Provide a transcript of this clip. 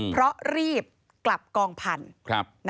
เพราะรีบกลับกองพันธุ์